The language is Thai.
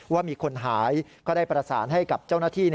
ว่ามีคนหายก็ได้ประสานให้กับเจ้าหน้าที่